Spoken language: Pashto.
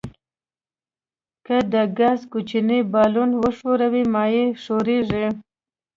که د ګاز کوچنی بالون وښوروئ مایع ښوریږي.